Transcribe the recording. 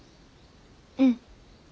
うん。